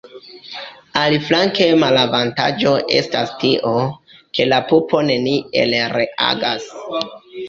Aliflanke malavantaĝo estas tio, ke la pupo neniel reagas.